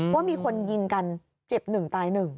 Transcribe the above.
ว่ามีคนยิงกันเจ็บหนึ่งตายหนึ่ง